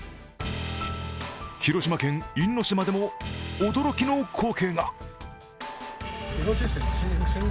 広島県・因島でも驚きの光景が。